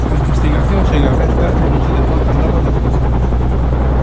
A investigación segue aberta e non se desbotan novas detencións.